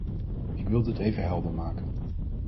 Ik wil dit even helder maken.